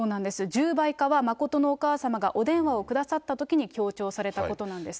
十倍化は、真のお母様がお電話をくださったときに強調されたことなんですと。